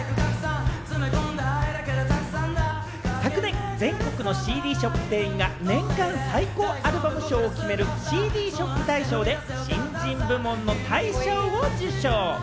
昨年、全国のＣＤショップ店員が年間最高アルバム賞を決めるＣＤショップ大賞で、新人部門の大賞を受賞。